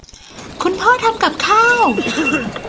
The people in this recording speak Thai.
คุณพ่อทำกับข้าว